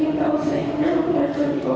yang tahu saya ingin memperlakukan